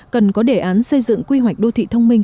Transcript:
cần có đề án xây dựng quy hoạch đô thị thông minh